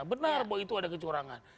benar bahwa itu ada kecurangan